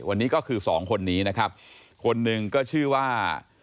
วันนี้ก็คือสองคนนี้นะครับคนหนึ่งก็ชื่อว่า